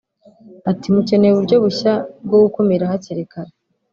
Ati"Mukeneye uburyo bushya bwo gukumira hakiri kare